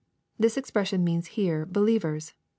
] This expression means here "believers."